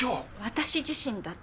私自身だって。